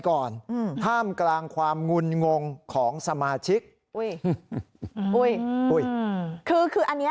ก่อนห้ามกลางความงุนงงของสมาชิกอุ้ยอุ้ยคือคืออันนี้